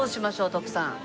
徳さん。